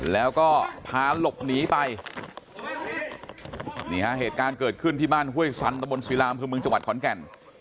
แล้วก็พาหลบหนีไปนี่ฮะเหตุการณ์เกิดขึ้นที่บ้านห้วยสันตะบนศิลาอำเภอเมืองจังหวัดขอนแก่น